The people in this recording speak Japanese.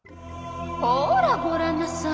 ほらごらんなさい。